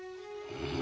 うん。